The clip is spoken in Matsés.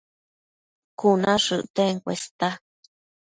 Cuna shëcten cuesta